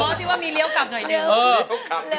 โหเดี๋ยวว่ามีเลี่ยวกลับหน่อยด้วย